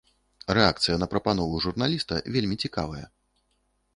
Рэакцыя на прапанову журналіста вельмі цікавая.